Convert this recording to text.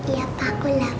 ya pak aku lapar